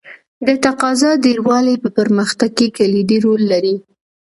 د تقاضا ډېروالی په پرمختګ کې کلیدي رول لري.